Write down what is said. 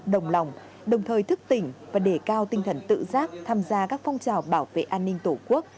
đồng lòng đồng thời thức tỉnh và đề cao tinh thần tự giác tham gia các phong trào bảo vệ an ninh tổ quốc